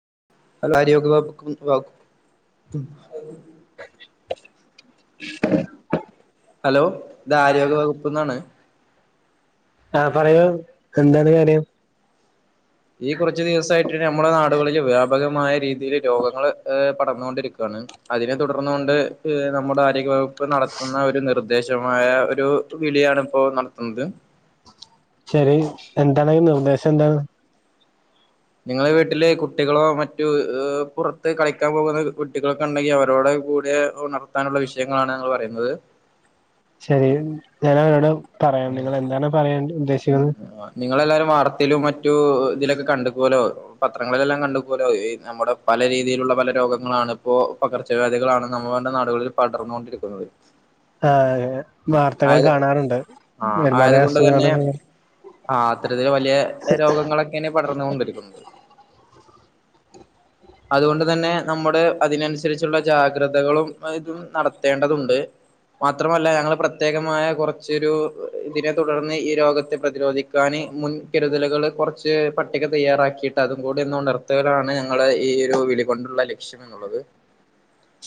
[unintelligible] ഭം [unintelligible] hello ഇത് ആരോഗ്യ വകുപ്ന്നാണ് ആഹ് പറയൂ എന്താണ് കാര്യം. ഈ കുറച്ചു ദിവസായിട്ട് നമ്മുടെ നാടുകളില് വ്യാപകം മായ രീതി ൽ രോഗങ്ങള് പടർന്നുകൊണ്ടിരിക്കുകയാണ് അതിനെ തുടർന്നുകൊണ്ട് നമ്മുടെ ആരോഗ്യവകുപ്പ് നടത്തുന്ന ഒരു നിർദ്ദേശമായ ഒരു വിളിയാണ് ഇപ്പോ നടത്തുന്നത് ശരി എന്താണ് ഈ നിർദ്ദേശം എന്താണ് നിങ്ങളെ വീട്ടില് കുട്ടികളോ മറ്റു പുറത്ത് കളിക്കാൻ പോകുന്ന കുട്ടികളൊക്കെ ഉണ്ടെങ്കി അവരോടെ കൂടെ ഉണർത്താനുള്ള വിഷയങ്ങളാണ് ഞങ്ങള് പറയുന്നത്. ശരി ഞാൻ അവരോട് പറയാം നിങ്ങള് എന്താണ് പറയാൻ ഉദ്ദേശിക്കുന്നത് നിങ്ങളെല്ലാരും വാർത്തയിലും മറ്റു ഇതിലൊക്കെ കണ്ടുക്കുവോലോ പത്രങ്ങളിലെല്ലാം കണ്ടുക്കുവോലോ ഈ നമ്മുടെ പല രീതിയിലുള്ള പല രോഗങ്ങളാണ് ഇപ്പോ പകർച്ചവ്യാധികളാണ് നമ്മടെ നാടുകളിൽ പടർന്ന് കൊണ്ടിരിക്കുന്നത്. ആഹ്. വാർത്തകൾ ആയത് കാണാറുണ്ട് ആഹ് ഒരുപാട് ആയത് കൊണ്ട് തന്നെ അസുഖങ്ങള് ആ അത്തരത്തിൽ വലിയ രോഗങ്ങളൊക്കെനെ പടർന്ന് കൊണ്ടിരിക്കുന്നത്. അതുകൊണ്ട് തന്നെ നമ്മുടെ അതിനനുസരിച്ചുള്ള ജാഗ്രതകളും ഇതും നടത്തേണ്ടതുണ്ട്. മാത്രമല്ല ഞങ്ങള് പ്ര പ്രത്യേകമായ കുറച്ചൊരു ഇതിനെ തുടർന്ന് ഈ രോഗത്തെ പ്രതിരോധിക്കാന് മുൻകരുതലുകൾ കുറച്ച് പട്ടിക തയ്യാറാക്കിയിട്ട് അതും കൂടിന്ന് ഉണർത്തലാണ് ഞങ്ങള് ഈ ഒരു വിളികൊണ്ടുള്ള ലക്ഷ്യം എന്നുള്ളത്.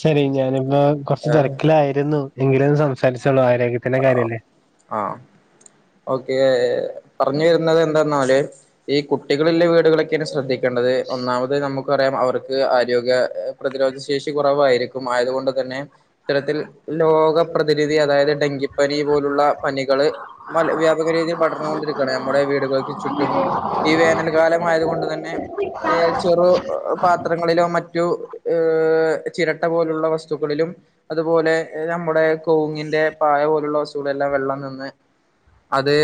ശരി ഞാനിപ്പോ കൊറച്ച് ഏഹ് തിരക്കിലായിരുന്നു എങ്കില സം ച്ചോളാം ആരോഗ്യ ത്തിന്റെ കാര്യല്ലേ. ആഹ് ഓക്കെ പർഞ്ഞ് വരുന്നതെന്തന്നാല് ഈ കു ട്ടികള്‌ല്ലെ വീടുകളൊക്കെണ് ശ്രദ്ധിക്കേണ്ടത്. ഒന്നാമത് നമു യാം അവർക്ക് ആരോഗ്യ പ്രതിരോധ ശേഷി കുറവാരിക്കും. ആയതുകൊണ്ട് തന്നെ ഇത്തരത്തിൽ ലോക പ്രതിനിധി അതായത് ഡെങ്കിപ്പനി പോലുള്ള പനികള് മൽ വ്യാപക രീതിയിൽ പടർന്നോണ്ടിരിക്കാണ് നമ്മുടെ വീടുകൾക്ക് ചുറ്റും ഈ വേനൽ കാലമായതുകൊണ്ട് തന്നെ ഏഹ് ചെറു പാത്രങ്ങളിലോ മറ്റു ഏ ചിരട്ട പോലുള്ള വസ്തുക്കളിലും അതുപോലെ നമ്മുടെ കൗങ്ങിന്റെ പായ പോലുള്ള വസ് കൂടെ എല്ല വെള്ളം നിന്ന് അത്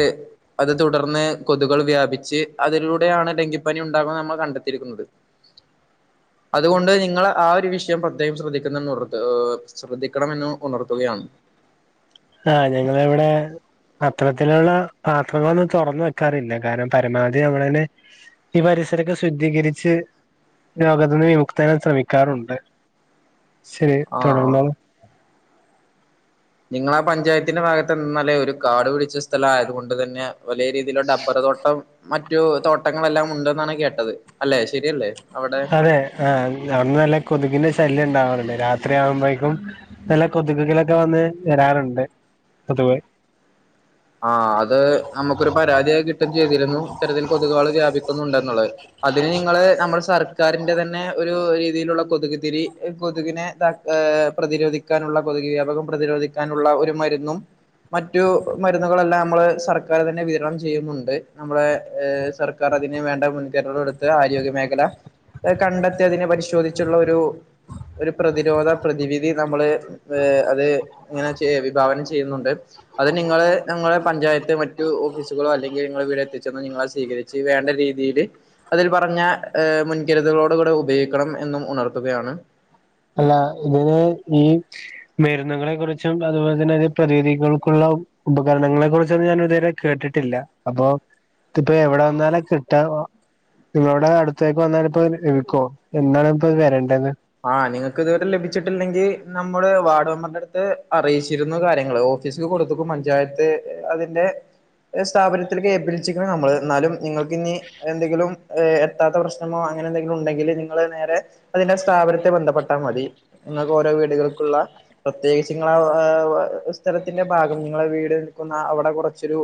അത് തുടർന്ന് കൊത്കൾ വ്യാപി ച്ച് അതിലൂടെയാണ് ഡെങ്കിപ്പനി ഉ ഉണ്ടാവം നമ്മൾ കണ്ടെത്തിരിക്കുന്നത്. അതുകൊണ്ട് നിങ്ങൾ ആ ഒരു വിഷ ക്ക്യാൻ പ്രത്യേകം ശ്രെദ്ധി [unintelligible] ഏഹ് ശ്രദ്ധി ക്കണമെന്ന് ഉണർത്തുകയാണ്. ആഹ് ഞങ്ങള ഇവിടെ അത്തരത്തില്ള്ള പാത്രങ്ങളൊന്നും തൊറന്ന് വെക്കാറില്ല കാര പരമാവധി ഞങ്ങളന്നെ ഈ പരിസരൊക്കെ ശുദ്ധീകരിച്ച് രോഗത്തിന്ന് വിമുക്തരാൻ ശ്രമിക്കാറുണ്ട് ശരി ആഹ് തുടർന്നോളു നിങ്ങള ആ പഞ്ചായത്തിന്റെ ഭാഗത്ത് നിന്നല്ലേ ഒരു കാട് പിടിച്ച സ്ഥലം ആയത് കൊണ്ട് തന്നെ വലിയ രീതിയിലുള്ള ഡബ്ബർ തോട്ടം മറ്റ് തോട്ടങ്ങളെല്ലാം ഉണ്ടെന്നാണ് കേട്ടത്. അല്ലെ ശരിയല്ലേ അവിടെ അതെ ആഹ്! അവിടെ നല്ല കൊതുകിന്റെ ശല്യം ഉണ്ടാവറ് രാത്രി ആവുമ്പോഴക്കും നല്ല കൊതുക്കളൊക്കെ വന്ന് വരാറുണ്ട് കൊതുക് ആ അത് നമുക്കൊരു പരാതിയായി കിട്ടും ചെയ്തിരുന്നു ഇത്തരത്തിൽ കൊതുകള് വ്യാപിക്കുന്നുണ്ടെന്നുള്ളത് അതിന് നിങ്ങള് നമ്മൾ സാർ ക്കാരിന്റെ തന്നെ ഒരു രീതിയിലുള്ള കൊതുകുതിരി കൊതുകിനെ താക് പ്രതിരോധിക്കാനുള്ള കൊതുക് വ്യാപകം പ്രതിരോധിക്കാനുള്ള ഒരു മരുന്നും മറ്റു മരുന്നുകളെല്ലാം നമ്മൾ സർക്കാർ തന്നെ വിതരണം ചെയ്യുന്നുണ്ട് നമ്മെളെ എ സർക്കാർ അതിന് വേണ്ട മുൻകരുതല് എടുത്ത് ആരോഗ്യമേഖല കണ്ടെത്തി അതിനെ പരിശോധിച്ചുള്ള ഒരു ഒരു പ്രതിരോധ പ്രതിവിധി നമ്മൾ അത് ഇങ്ങനെ ചെ വിഭാവനം ചെയ്യുന്നുണ്ട് അതി നിങ്ങൾ ഞങ്ങളെ പഞ്ചായത്ത് മറ്റു ഓഫീസുകളോ അല്ലെങ്കിൽ നിങ്ങൾ വീടെ എത്തിച്ചെന്ന് നിങ്ങളെ സ്വീകരിച്ച് വേണ്ട രീതിയിൽ അതിൽ പറഞ്ഞ മുൻകരുതലുകളോട് കൂടെ ഉപയോഗിക്കണം എന്നും ഉണർത്തുകയാണ് അല്ല ഇതിന് ഈ മരുന്നുകളെ കുറിച്ചും അതുപോലെ തന്നെ അതി പ്രതിതികൾക്കുള്ള ഉപകരണങ്ങളെ കുറിച്ചൊന്നും ഞാൻ ഇതുവരെ കേട്ടിട്ടില്ല അപ്പൊ ഇതിപ്പോ എവിടെ വന്നാലും കിട്ടവാ നിങ്ങളുടെ അടുത്തേക്ക് വന്നാല ഇപ്പോ എക്കുവോ എന്നാണ് ഇപ്പത് വരേണ്ടന്ന് ആ നിങ്ങൾക്ക് ഇതുവരെ ലഭിച്ചിട്ടില്ലെങ്കിൽ നമ്മൾ വാർഡ് മെമ്പറിന്റെ അടുത്ത് അറിയിച്ചിരുന്നു കാര്യങ്ങള് ഓഫീസില് കൊടുത്തക്കും പഞ്ചായത്ത് അതിന്റെ സ്ഥാപനത്തിലേക്ക് ഏൽപ്പിച്ചിരിക്കുന്നു നമ്മള് എന്നാലും നിങ്ങൾക്ക് ഇനി എന്തെങ്കിലും എത്താത്ത പ്രശ്നമോ അങ്ങനെ എന്തെങ്കിലും ഉണ്ടെങ്കിൽ നിങ്ങൾ നേരെ അതിന്റെ സ്ഥാപനത്തെ ബന്ധപ്പെട്ടാൽ മതി നിങ്ങൾക്ക് ഓരോ വീടുകൾക്കുള്ള പ്രത്യേകിച്ച് നിങ്ങള ആ സ്ഥലത്തിന്റെ ഭാഗം നിങ്ങളെ വീട് നിൽക്കുന്ന അവിടെ കുറച്ചൊരു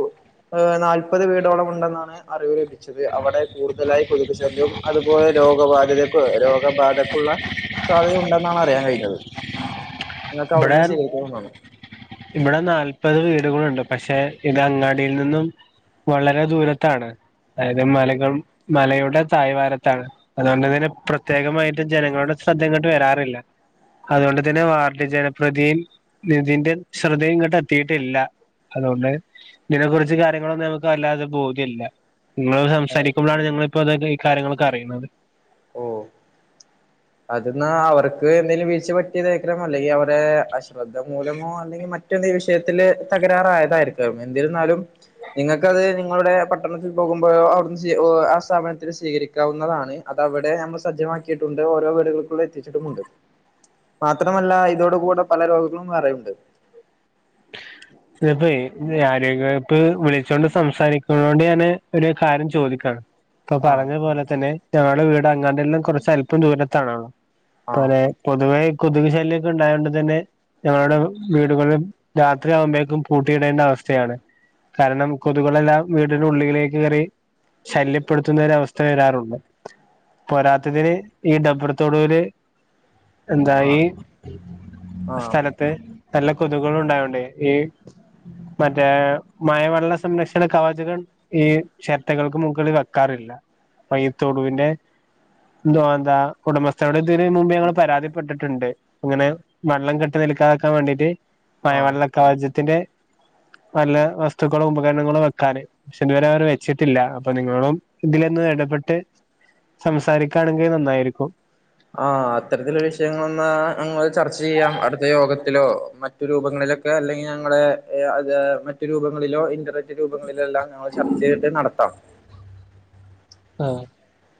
നാല്പത് വീടോളം ഉണ്ടെന്നാണ് അറിവ് ലഭി ച്ചത് അവിടെ കൂടുതലായി കൊതുകു ശല്യം അതുപോലെ രോഗബാധ്യതക്കു രോഗബാധക്കുള്ള സാധ്യത ഉണ്ടെന്നാണ് അറിയൻ കഴിഞ്ഞത് നിങ്ങൾക്ക് ഇവിടെ അവിടുന്ന് സ്ഥിരീകരിച്ചത് കൊണ്ടാണ്. ഇവിടെ നാല്പത് വീടുകളുണ്ട്. പക്ഷെ ഇത് അങ്ങാടിയിൽ നിന്നും വളരെ ദൂരത്താണ് അതായത് മലകളും മലയുടെ തായ് വാരത്താണ് അതുകൊണ്ട് തന്നെ പ്രത്യേകമായിട്ട് ജനങ്ങളുടെ ശ്രദ്ധ ഇങ്ങോട്ട് വരാറില്ല അതുകൊണ്ട് തന്നെ വാർഡ് ജന പ്രതിയും നിതിന്റെ ശ്രദ്ധയും ഇങ്ങോട്ട് എത്തിയിട്ടില്ല അതുകൊണ്ട് ഇതിനെ കുുറിച്ച് കാര്യങ്ങളൊന്നും നമുക്ക് അല്ലാതെ ബോധ്യല്ല. നിങ്ങൾ സംസാരിക്കുമ്പോഴാണ് ഞങ്ങള്! ഇപ്പൊ ഇതൊക്കെ ഈ കാര്യങ്ങളൊക്കെ അറിയുന്നത് ഓഹ് അത് ന്നാവർക്ക് എന്തെലും വീഴ്ച പറ്റിയതായികരം അല്ലെങ്കിൽ അവടെ അശ്രദ്ധ മൂലമോ അല്ലെങ്കിൽ മറ്റ എന്തെങ്കിലും വിഷയത്തിൽ തകരാറായതായിരിക്കും എന്തിരുന്നാലും നിങ്ങൾക്കത് നിങ്ങളുടെ പട്ടണത്തിൽ പോകുമ്പോൾ അവിടെന്ന് ആ സ്ഥാപനത്തിൽ സ്വീകരിക്കാവുന്നതാണ് അതവിടെ നമ്മൾ സജ്ജമാക്കിയിട്ടുണ്ട്. ഓരോ വീടുകൾക്കൂ എത്തിച്ചിട്ടുമുണ്ട്. മാത്രമല്ല, ! ഇതോട കൂടെ പല രോഗങ്ങളും വേറെയുണ്ട്. ചിലപ്പോ ആരോഗ്യപ്പ് വിളിച്ചൊണ്ട് സംസാരിക്ക കൊണ്ട് ഞാന് ഒരു കാര്യം ചോദിക്കാണ്. ഇപ്പൊ ആഹ് പറഞ്ഞ പോലെ തന്നെ ഞങ്ങടെ വീട് അങ്ങാടിൽ നിന്നും കുറച്ച് അല്പം ദൂരത്താണോ? ആഹ് പയേ പൊതുവേ കൊതുകു ശല്യൊക്കെ ഉണ്ടായൊണ്ട് തന്നെ ഞങ്ങളുടെ വീടുകളും രാത്രി ആവുമ്പേക്കും പൂട്ടിയിടേണ്ട അവസ്ഥയാണ് കാരണം കൊതുകളെല്ലാം വീടിനുള്ളിലേ കെറി ശല്യപ്പെടുത്തുന്ന ഒരവസ്ഥ വരാറുണ്ട് പോരാത്തതിന് ഈ ഡബർ തൊടുവില് എന്താ ഈ ആഹ് ആഹ് സ്ഥലത്ത്? നല്ല കൊതുകുകള് ഉണ്ടായാ ലെ ഈ മറ്റേ മഴവെള്ള സംരക്ഷണ കവചകം ഈ ചെരട്ടകൾക്ക് മുകളിൽ വെക്കാറില്ല അപ്പൊ ഈ തൊടുവിന്റെ എന്തോ എന്താ ഉടമസ്ഥകളിൽ ഇതിന് മുമ്പു ഞങ്ങൾ പരാതിപ്പെട്ടിട്ട് ണ്ട് അങ്ങനെ വെള്ളം കെട്ട് നിൽക്കാതാക്കാൻ വേണ്ടീട്ട് ആഹ് മയവെള്ളക്കാചത്തിന്റെ നല്ല വസ്തുക്കളും ഉപകരണങ്ങളും വെക്കാന് പക്ഷെ ഇതുവരെ അവര് വെച്ചിട്ടില്ല അപ്പൊ നിങ്ങളും ഇതിലന്ന് ഇടപെട്ട് സംസാരിക്കാണ്ങ്കി അത് നന്നായിരിക്കും ആ അത്തരത്തില വിഷയങ്ങളൊളാ ഞങ്ങൾ ചർച്ച ചെയ്യാം അടുത്ത യോഗത്തിലോ മറ്റു രൂപങ്ങളിലൊക്കെ അല്ലെങ്കിൽ ഞങ്ങൾ ഏ അത് മറ്റു രൂപങ്ങളിലോ ഇന്റർനെറ്റ് രൂപങ്ങളിലോ എല്ലാം ഞങ്ങൾ ചർച്ച ചെയ്തിട്ട് നടത്താം ആ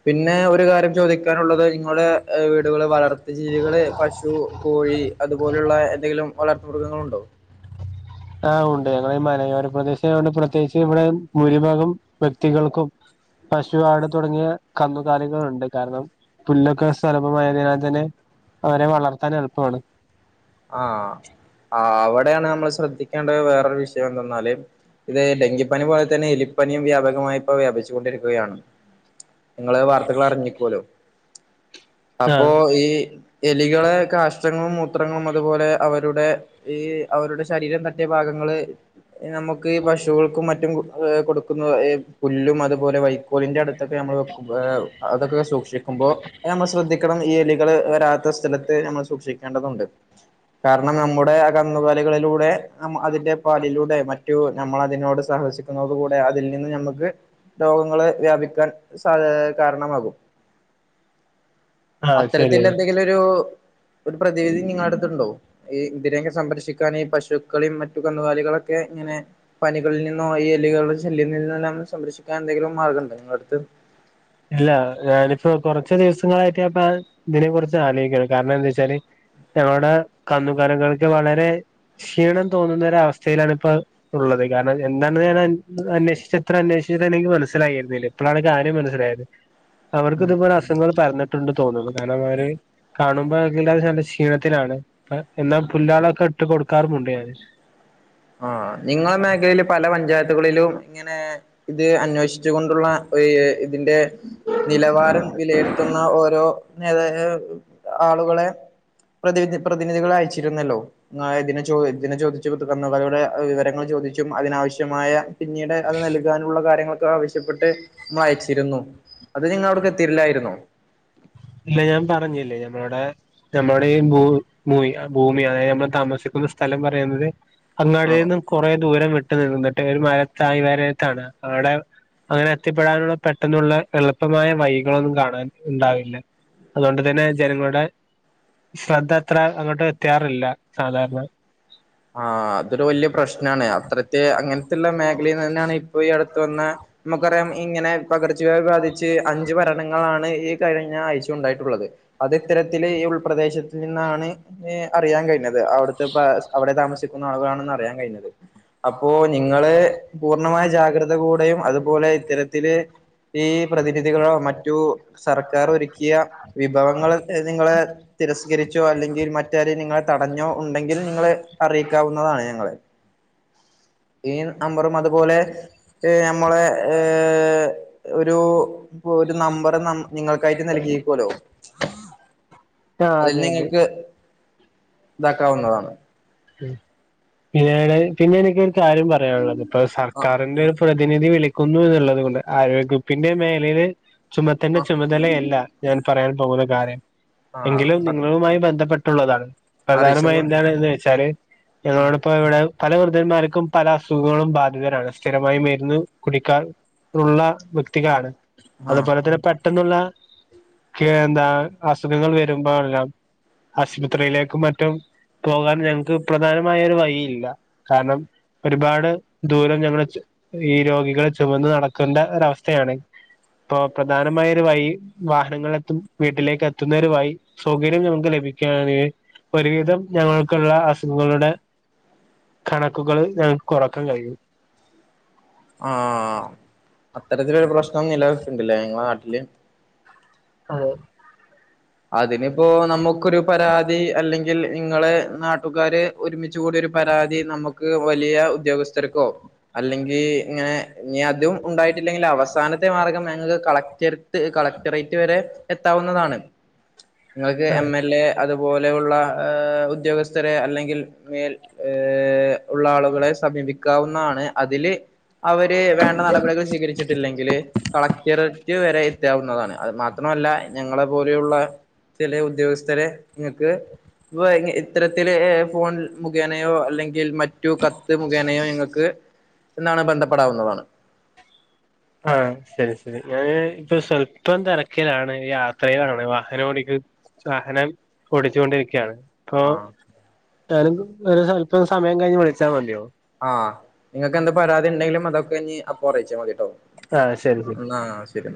പിന്നെ ഒരു കാര്യം ചോദിക്കാനുള്ളത് നിങ്ങള് വീടുകൾ വളർത്ത് ജീവികൾ പശു, കോഴി, അതുപോൽ ഉള്ള എന്തെങ്കിലും വളർ മൃഗങ്ങളുണ്ടോ? ആഹ് ഉണ്ട്, ഞങ്ങൾ ഈ മലയോര പ്രദേശമായോണ്ട് പ്രത്യേകിച്ച് ഇവിടെ ഭൂരിഭാഗം വ്യക്തികൾക്കും പശു ആട് തുടങ്ങിയ കന്നുകാലികൾ ഉണ്ട്, കാരണം പുല്ല് ഒക്കെ സുലഭമായതിനാൽ തന്നെ അവരെ വളർത്താൻ എളുപ്പമാണ്. ആഹ് ആ അവി ടെയാണ് നമ്മൾ ശ്രദ്ധേണ്ട വേറൊരു വിഷയം എന്താല്. ഇത് ഡെങ്കിപ്പനി പോലത്തെ. തന്നെ എലിപ്പനിയും വ്യാപകമായി ഇപ്പോ വ്യാപിച്ചു കൊണ്ടിരിക്കുകയാണ്. നിങ്ങള് വാർത്തകൾ അറിഞ്ഞിക്കുവല്ലോ. അപ്പോ ആഹ് ഈ എലികളെ കാഷ്ടങ്ങളും ഒ മൂത്രങ്ങളും. അതുപോലെ അവരുടെ ഈ അവരുടെ ശരീരം തട്ടിയ ഭാഗങ്ങളെ. നമുക്ക് ഈ പശുക്കൾക്കും മറ്റും. ഏഹ് കൊടുക്കുന്നു ഈ പുല്ലും അതുപോലെ വൈക്കോലിന്റെ അടു ത്ത് നമ്മൾ ഏഹ് അതൊക്കെ സൂക്ഷിക്കുമ്പോ നമ്മൾ ശ്രദ്ധ ക്കണം ഈ എലികൾ വരാത്ത സ്ഥലത്ത് നമ്മൾ സൂക്ഷിക്കേണ്ടതുണ്ട്. കാരണം നമ്മുടെ ആ കന്നുകാലികളിലൂടെ. ആ അതിന്റെ പാലിലൂടെ മറ്റു നമ്മൾ അതിനോട് സഹകരി ക്കുന്നു കൂടെ അതിൽ നിന്ന് നമ്മുക്ക് രോഗങ്ങളെ വ്യാപിക്കാൻ സ കാരണമാകും. ആഹ് അത്തരത്തിൽ ശരിയാണ് എന്തെങ്കിലൊരു പ്രതിവിധി നിങ്ങള ഈ ഇതിനെക്കെ സംരക്ഷിക്കാന് ഈ പശുക്കളിം മറ്റു കന്നുകാലികളൊക്കെ ഇങ്ങനെ പനികളിൽ നിന്നോ ഈ എല്ലികള്ടെ ശല്യ നിന്നെല്ലാം സംരക്ഷിക്കാൻ എന്തെങ്കിലും മാർഗണ്ടൊ നിങ്ങളെ അടുത്ത് ഇല്ല ഞാനിപ്പം കൊറച്ച് ദിവസങ്ങളായിട്ട് ഞാ [unintelligible] അപ്പ ഇതിനെ കുറിച്ച് ആലോയ്ക്കാണ് കാരണം എന്താ വെച്ചാല് ഞങ്ങളുടെ കന്നുകാലുകൾക്ക് വളരെ ക്ഷീണം തോന്നുന്നര അവസ്ഥയിലാണ് ഇപ്പോ ഉള്ളത് കാരണം എന്താണ്ന്ന് ഞാൻ അന്വേഷിച്ച ഇത്ര അന്വേഷിച്ച എനിക്ക് മനസ്സിലായിരുന്നില്ല ഇപ്പളാണ് കാര്യം മനസ്സിലായത് അവർക്ക് ഇതുപോലെ അസുങ്ങൾ പരന്നിട്ടുണ്ട് തോന്ന്ണ് കാരണം അവര് കാണുമ്പോ അത് നല്ല ക്ഷീണത്തിലാണ് ഇപ്പ എന്നാ പുല്ലാളൊക്കെ ഇട്ട് കൊടുക്കാറുമുണ്ട് ഞാന് ആഹ് നിങ്ങളെ മേഖലയില് പല പഞ്ചായത്തുകളിലും ഇങ്ങനെ ഇത് അന്വേഷ് കൊണ്ടുള്ള ഒര് ഇതിന്റെ നിലവാരം വിലയിരുത്തുന്ന ഓരോ നേതാഹ് ആളുകളെ പ്രതി പ്രതിനിധികളെ അയച്ചിരുന്നല്ലോ ഇതിനെ ഇങ്ങ [unintelligible] ചോ ഇതിനെ ചോദിച്ചു വരുടെ വിവരങ്ങൾ ചോദിച്ചും അതിനാവശ്യമായ പിന്നീട് അത് നൽകാനുള്ള കാര്യങ്ങൾ ആവശ്യപ്പെട്ട് വായിച്ചിരുന്നു അത് നിങ്ങള് അവിട്ക്ക് എത്തിരില്ലായിരുന്നോ ഇവിടെ നമ്മുടെ ഈ ഭൂ ഭൂ ഭൂമി അതായത് നമ്മൾ താമസിക്കുന്ന സ്ഥലം പറയുന്നത് അങ്ങാടിയിൽ ആഹ് നിന്നും കുറെ ദൂരം വി ഇത്തിരി നേരം ഇരുന്നിട്ട് ഒരു മരത്തായ വരത്താണ് അവിടെ അങ്ങനെ എത്തിപ്പെടാനുള്ള പെട്ടെന്നുള്ള എളുപ്പമായ വഴിക്കളെ ഒന്നും കാണാൻ ഉണ്ടാവില്ല. അതുകൊണ്ട് തന്നെ ജനങ്ങളുടെ ശ്രദ്ധ അത്ര അങ്ങോട്ട് എത്തിയാറില്ല സാധാരണ. ആഹ് അതൊരു വലിയ പ്രശ്നയാണ്, അത്രത്തെ അങ്ങനത്തുള്ള മേഖലയിന്ന് തന്നെയാണ് ഇപ്പൊ ഈ അടുത്ത വന്ന നമുക്കറിയാം ഇങ്ങനെ പകർച്ചവ്യാധി ബാധിച്ച് അഞ്ചു മരണങ്ങളാണ് ഈ കഴി ഞ്ഞ ആഴ്ച ഉണ്ടായിട്ടുള്ളത്. അത് ഇത്തരത്തില് ഈ ഉൾപ്രദേശത്തിൽ നിന്നാണ് ഇങ്ങനെ. അറിയാൻ കഴിഞ്ഞത്. അതെ അവിടുത്തെ പകർ താമസിക്കുന്ന ആളുക്കാണ് എന്ന് അറിയാൻ കഴിഞ്ഞത്. അപ്പോ നിങ്ങള് പൂർണമായി. ജാഗ്രത കൂടെയും അതുപോലെ ഇത്തരത്തില് ഈ പ്രതിനിധികളോ മറ്റു സർക്കാർ ഒരുക്കിയ വിഭവങ്ങൾ നിങ്ങളെ തിരസ്കരിച്ചോ അല്ലെങ്കിൽ മറ്റാര് നിങ്ങളെ തടഞ്ഞോ ഉണ്ടെങ്കിൽ നിങ്ങൾ. അറിയിക്കാവുന്നതാണ് ഞങ്ങളെ. ഈ നമ്പറും അതുപോലെ. ഈ നമ്മളെ ഏഹ്. ഒരു ഒരു നമ്പർ നമ്മ് നിങ്ങൾക്കായിട്ട്. നൽകിക്കുവല്ലേ. ആ അതെ അതെ ഇതാക്കാവുന്നതാണ് പിന്ന പിന്നെ എനിക്ക് ഒരു കാര്യം പറയാനുള്ളത് സർക്കാരിന്റെ പ്രതിനിധി വിളിക്കുന്നു എന്നുള്ളത് കൊൊണ്ട് ആരോഗ്യകുപ്പിന്റെ മേഖയിയില് ചുമത്തിന്റെ ചുമതലയല്ല ഞാൻ പറയാൻ പോകില്ല കാര്യം ആഹ് എങ്കിലും ആഹ് നിങ്ങളുമായി ബന്ധപ്പെട്ട ട്ടുള്ളതാണ് പ്രധാനമായും അറിയിച്ചോളൂ എന്താണ് വെച്ച ഞങ്ങൽ ഇപ്പോ എവിടെ പല വൃദ്ധന്മാർക്കും പല അസുഖങ്ങളും ബാധിതരാണ് സ്ഥിരമായി മരുന്ന് കുടിക്കാൻ ഉള്ള വ്യക്തികളാണ് ആഹ് അതുപോലെ തന്നെ പെട്ടെന്നുള്ള ക്ക എന്താ അസുഖങ്ങൾ വരുമ്പോഴെല്ലാം ആശുപത്രിയിലേക്കും മറ്റും പ്രോഗ്ര [inaudible] ഞങ്ങക്ക് പ്രധാനമായരു വഴി ഇല്ല കാരണം ഒരുപാട് ദൂരം ഞങ്ങൾ ഈ രോഗികളെ ചുമന്ന് നടക്കേണ്ട ഒരു അവസ്ഥയാണ് ഇപ്പ പ്രധാനമായരു വഴി വാഹനങ്ങളിലെത്തും വീട്ടിലേക്ക് എത്തുന്നതിനുമായി സൗകര്യം ഞങ്ങൾക്ക് ലഭിക്കുകയാണെങ്കിൽ ഒരുവിധം ഞങ്ങൾ ക്കള്ള അസുഖങ്ങളുടെ കണക്കുകൾ ഞങ്ങൾക്ക് കുറക്കാൻ കഴിയും ആ ആ അത് അത്തരത്തിലൊരു പ്രശ്നം നിലനിൽക്ക ഉണ്ടില്ലേ ങ്ങളൾ ഇല്ല അതേ അതിനിപ്പോ നമുക്കൊരു പരാതി അല്ലെങ്കിൽ നിങ്ങള് നാട്ടുകാര് ഒരുമിച്ച് കൂടിയ ഒരു പരാതി നമുക്ക് വലിയ ഉദ്യോഗസ്ഥർക്കോ അല്ലെങ്കിൽ ഇങ്ങനെ ഇനി അതും ഉണ്ടായിട്ടില്ലെങ്കിൽ അവസാനത്തെ മാർഗം ഞങ്ങക്ക് കളക്ടർത്ത് കളക്ടറേറ്റ് വരെ എത്താവുന്നതാണ് നിങ്ങക്ക് എം എൽ എ അത് അതുപോലെയുള്ള ഏ ഉദ്യോഗസ്ഥരെ അല്ലെങ്കിൽ മേൽ ഏ ഉള്ള ആളുകളെ സമീപിക്കാവുന്നതാണ് അതില് അവര് വേണ്ട നടപടികൾ സ്വീകരിച്ചിട്ടില്ലെങ്കിൽ കളക്ടറേറ്റ് വരെ എത്താവുന്നതാണ് അത് മാത്രമല്ല ഞങ്ങളെ പോലെയുള്ള ചില ഉദ്യോഗസ്ഥരെ നിങ്ങക്ക് ഇ ഇത്തരത്തില ഫോൺ മുഖേനയോ അല്ലെങ്കിൽ മറ്റു കത്ത് മുഖേനയോ നിങ്ങൾക്ക് എന്നാണ് ബന്ധപ്പെടാവുന്നതാണ് ആ ശരി ശരി ഞാന് ഇപ്പൊ സ്വല്പം തിരക്കയിലാണ് യാത്രയിലാണ് വാഹനം ഓടിക്ക വാഹനം ഓടിച്ചുകൊണ്ടിരിക്കയാണ് താ ആഹ് ഞാന് ഒരു സ്വല്ം സമയം കഴിഞ്ഞ് വിളിച്ചാൽ മതിയോ ആഹ് നിങ്ങക്ക് എന്താ പരാതി ഉണ്ടെങ്കിലും അതൊക്കെ കഴിഞ്ഞ് കുറയിച്ചേ മതിട്ടോ ആഹ് ശരി ശരി എന്നാ ശരി